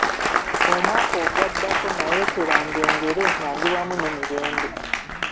Omwaka ogwaddako nayeekeranga engere nga ndi wamu ne Mirembe.